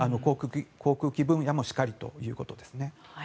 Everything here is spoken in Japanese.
航空機分野もしかりということですね。